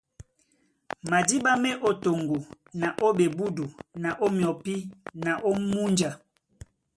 Madíɓá má e ó toŋgo na ó ɓeúdu na ó myɔpí na ó múnja.